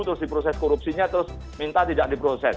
terus di proses korupsinya terus minta tidak diproses